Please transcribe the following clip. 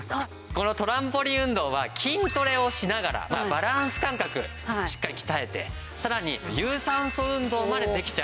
このトランポリン運動は筋トレをしながらバランス感覚しっかり鍛えてさらに有酸素運動までできちゃう。